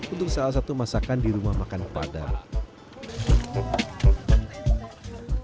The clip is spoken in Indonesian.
untuk salah satu masakan di rumah makan padang